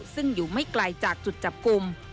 ซึ่งอยู่ไม่ไกลจากจุดจับกลุ่ม